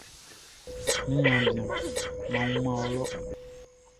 Mi niaan bian, mʼan wunman wɔ lɔ.